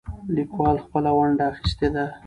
لیکوال خپله ونډه اخیستې ده.